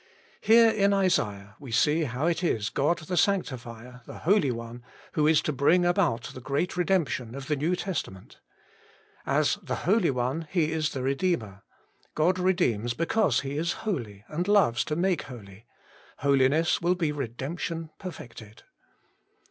Here in Isaiah we see how it is God the Sanctifier, the Holy One, who is to bring about the great redemption of the New Testament: as the Holy One, He is the Redeemer. God redeem? because He is holy, and loves to make holy : Holi ness will be Redemption perfected.